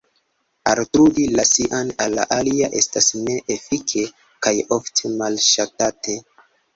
Altrudi la sian al alia estas ne-efike kaj ofte malŝatate.